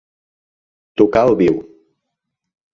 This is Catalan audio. Tocar al viu.